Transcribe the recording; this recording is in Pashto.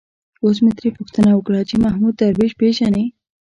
اوس مې ترې پوښتنه وکړه چې محمود درویش پېژني.